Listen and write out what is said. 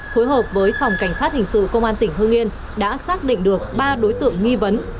phối hợp với phòng cảnh sát hình sự công an tỉnh hương yên đã xác định được ba đối tượng nghi vấn